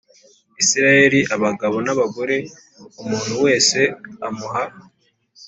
Isirayeli abagabo n abagore umuntu wese amuha